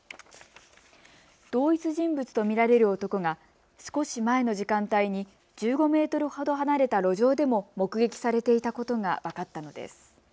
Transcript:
同一人物と見られる男が少し前の時間帯に１５メートルほど離れた路上でも目撃されていたことが分かったのです。